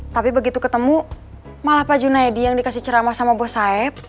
tapi begitu ketemu malah pak junaidi yang dikasih ceramah sama bos saib